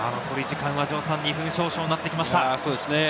残り時間は２分少々になってきました。